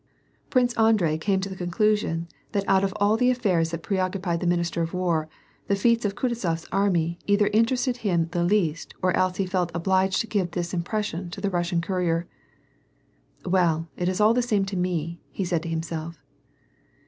Prince Andrei came to the conclusion that out of all the affairs that preoccupied the minister of war, the feats of Kutuzof s army either interested liim the least or else he felt obliged to give this impression to the Russian courier. "Well, it's all the same to me," said he to himself.